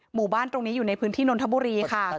หมู่บ้านตรงนี้อยู่ในพื้นที่นนทบุรีค่ะ